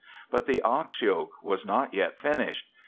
But the ox yoke was not yet finished.